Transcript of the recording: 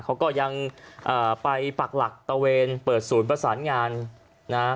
เขาก็ยังไปปักหลักตะเวนเปิดศูนย์ประสานงานนะ